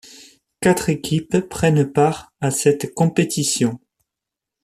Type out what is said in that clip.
Quatre équipes prennent part à cette compétition.